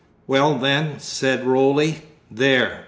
"Well then," said Roly, "there."